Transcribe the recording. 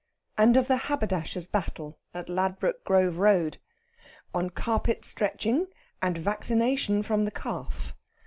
AND OF THE HABERDASHER'S BATTLE AT LADBROKE GROVE ROAD. ON CARPET STRETCHING, AND VACCINATION FROM THE CALF.